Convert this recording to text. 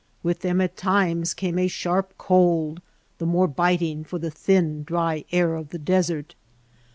With them at times came a sharp cold, the more biting for the thin dry air of the desert.